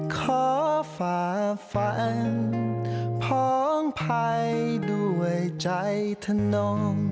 ขอฝ่าฝันผองภัยด้วยใจทะลุ